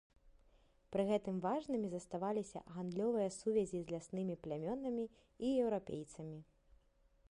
Пры гэтым важнымі заставаліся гандлёвыя сувязі з ляснымі плямёнамі і еўрапейцамі.